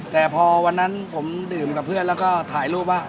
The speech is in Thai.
แต่พอวันนั้นผมดื่มกับเพื่อนแล้วก็ถ่ายรูปว่า